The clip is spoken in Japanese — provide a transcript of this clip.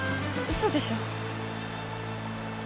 嘘でしょ？